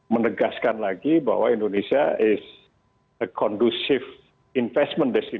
menegaskan lagi bahwa indonesia adalah destinasi investasi yang kondusif